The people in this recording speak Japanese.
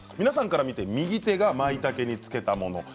皆さんから見て右手がまいたけにつけたもの。